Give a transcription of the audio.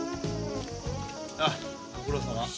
あっご苦労さま。